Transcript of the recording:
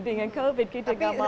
dengan covid kita gak mau